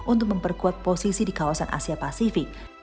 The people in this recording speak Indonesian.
untuk memperkuat posisi di kawasan asia pasifik